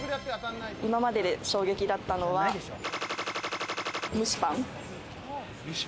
今までで衝撃だったのは、蒸しパン。